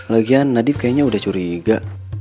lagian nadief kayaknya udah curiga